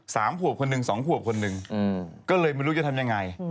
สามขวบคนหนึ่งสองขวบคนหนึ่งอืมก็เลยไม่รู้จะทำยังไง